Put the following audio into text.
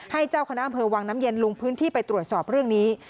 เจ้าคณะอำเภอวังน้ำเย็นลงพื้นที่ไปตรวจสอบเรื่องนี้